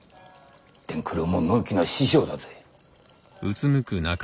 傳九郎ものんきな師匠だぜ。